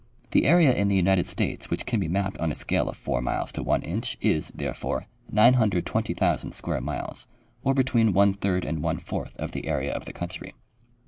The area in the United States which can be mapped on a scale of 4 miles to one inch is, tlierefore, 920,000 square miles, or between one third and one fourtli of the area of the country.